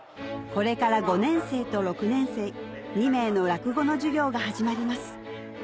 これから５年生と６年生２名の落語の授業が始まります